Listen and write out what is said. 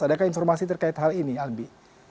adakah informasi terkait hal ini albi